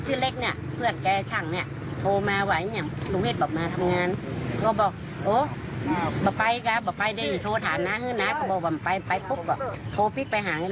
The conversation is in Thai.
ห๊ะอย่างนั้นแบบเข้าไปวินาทีนั้น